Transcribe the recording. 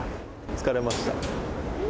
疲れました。